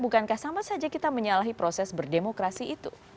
bukankah sama saja kita menyalahi proses berdemokrasi itu